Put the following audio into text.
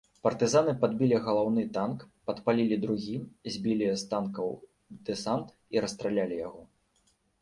Партызаны падбілі галаўны танк, падпалілі другі, збілі з танкаў дэсант і расстралялі яго.